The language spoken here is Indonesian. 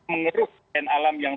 mengeruskan alam yang